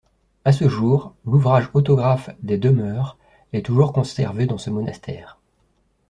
À ce jour, l'ouvrage autographe des Demeures est toujours conservé dans ce monastère.